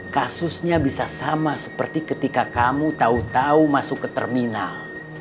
kasusnya bisa sama seperti ketika kamu tahu tahu masuk ke terminal